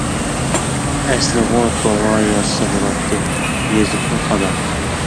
ئەسلىغۇ توغرا يازسا بولاتتى، يېزىپمۇ قالار.